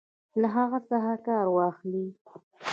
له هغه څخه کار واخلي.